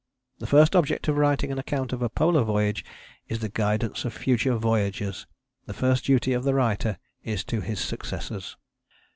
"The first object of writing an account of a Polar voyage is the guidance of future voyagers: the first duty of the writer is to his successors."